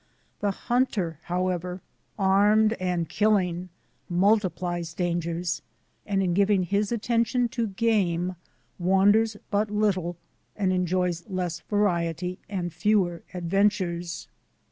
The hunter, however, armed and killing, multiplies dangers, and in giving his attention to game wanders but little and enjoys less variety and fewer adventures.